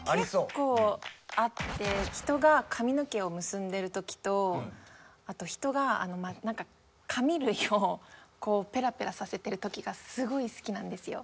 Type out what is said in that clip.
結構あって人が髪の毛を結んでる時とあと人がなんか紙類をペラペラさせてる時がすごい好きなんですよ。